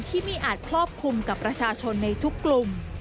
ที่ไม่อาจครอบคลุมกับประชาชนในทุกกลุ่ม